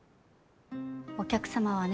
お客様はね